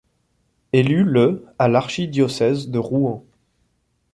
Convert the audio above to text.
Élu le à l'archidiocèse de Rouen.